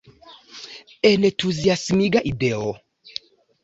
Entuziasmiga ideo….